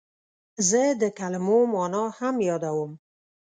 زه د کلمو مانا هم یادوم.